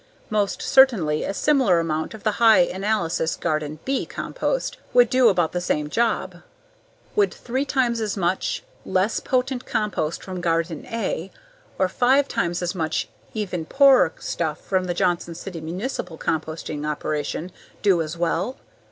Most certainly a similar amount of the high analysis Garden "B" compost would do about the same job. Would three times as much less potent compost from Garden "A" or five times as much even poorer stuff from the Johnson City municipal composting operation do as well?